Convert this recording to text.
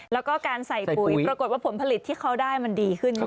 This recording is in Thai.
แล้วก็การใส่ปุ๋ยปรากฏว่าผลผลิตที่เขาได้มันดีขึ้น